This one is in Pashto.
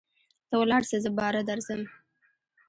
ته ولاړسه زه باره درځم.